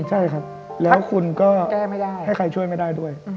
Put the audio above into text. ใช่ครับแล้วคุณก็แก้ไม่ได้ให้ใครช่วยไม่ได้ด้วย